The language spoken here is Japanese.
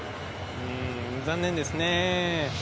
残念ですね。